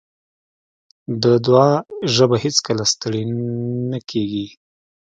د دعا ژبه هېڅکله ستړې نه کېږي.